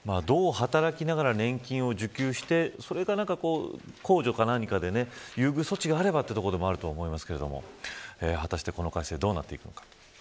どう働きながら年金を受給して控除か何かで優遇措置があればというところもあると思いますけど果たしてこの改正どうなっていくのか。